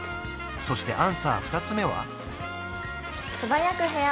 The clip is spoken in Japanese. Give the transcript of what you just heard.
そしてアンサー２つ目は？